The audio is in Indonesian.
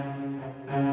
soalnya apa andara